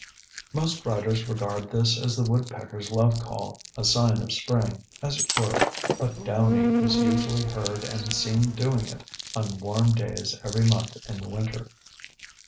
Most writers regard this as the woodpecker's love call, a sign of spring, as it were but Downy is usually heard and seen doing it on warm days every month in the winter.